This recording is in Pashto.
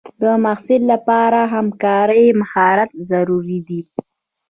د محصل لپاره همکارۍ مهارت ضروري دی.